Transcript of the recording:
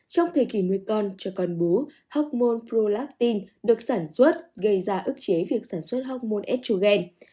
trong thời kỳ nuôi con cho con bú hốc môn prolactin được sản xuất gây ra ức chế việc sản xuất hốc môn estrogen